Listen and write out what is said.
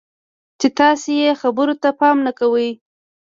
چې تاسې یې خبرو ته پام نه کوئ.